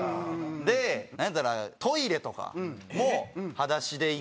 でなんやったらトイレとかも裸足で行くみたいな。